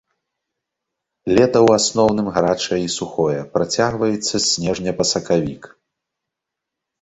Лета ў асноўным гарачае і сухое, працягваецца з снежня па сакавік.